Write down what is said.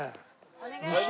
お願いします。